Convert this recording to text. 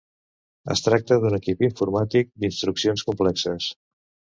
Es tracta d'un equip informàtic d'instruccions complexes.